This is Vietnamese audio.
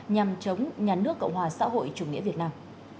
nhằm chống nhà nước cộng hòa xã hội chủ nghĩa việt nam